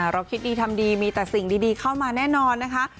เราคิดดีทำดีมีแต่สิ่งดีเข้ามาแน่นอนนะคะ